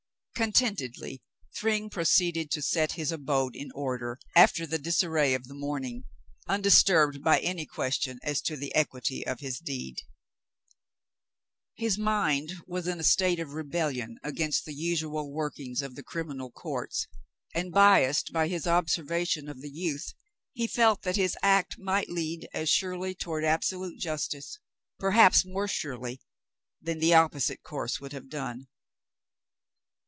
Contentedly Thryng proceeded to set his abode in order after the disarray of the morning, undisturbed by any question as to the equity of his deed. His mind was in a state of rebellion against the usual workings of the criminal courts, and, biassed by his observation of the youth, he felt that his act might lead as surely toward absolute justice, perhaps more surely, than the opposite course would have done.